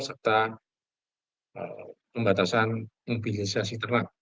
serta membatasan mobilisasi ternak